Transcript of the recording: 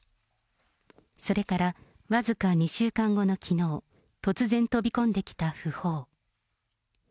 それから、僅か２週間後のきのう、突然飛び込んできた訃報。